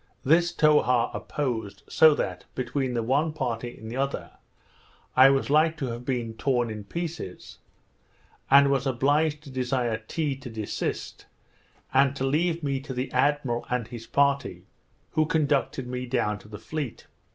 This Towha opposed; so that, between the one party and the other, I was like to have been torn in pieces; and was obliged to desire Tee to desist, and to leave me to the admiral and his party, who conducted me down to the fleet.